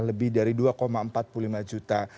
lebih dari dua empat puluh lima juta